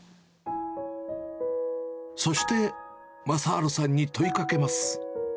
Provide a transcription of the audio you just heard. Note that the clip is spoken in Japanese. そして、雅治さんに問いかけます。